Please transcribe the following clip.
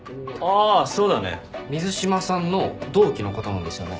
あそうだね。水島さんの同期の方なんですよね。